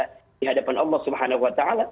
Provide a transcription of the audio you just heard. kebaik kita di hadapan allah swt